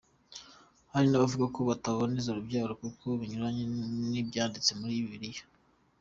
Hari n’abavuga ko bataboneza urubyaro kuko binyuranye n’ibyanditse muri bibiliya.